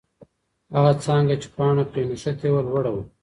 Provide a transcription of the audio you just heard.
هغه څانګه چې پاڼه پرې نښتې وه، لوړه وه.